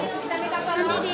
ini dibentuk lagi